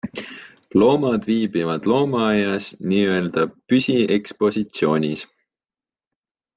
Loomad viibivad loomaaias n-ö püsiekspositsioonis.